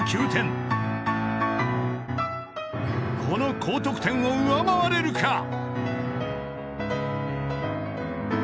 ［この高得点を上回れるか］